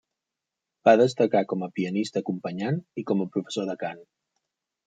Va destacar com a pianista acompanyant i com a professor de cant.